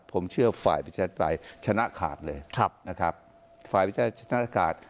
ผมเชื่อฝ่ายวิทยาศาสตรายชนะขาดเลยนะครับฝ่ายวิทยาศาสตรายชนะขาด